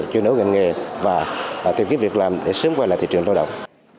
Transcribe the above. chuyên đấu ngành nghề và tìm kiếm việc làm để sớm quay lại thị trường lao động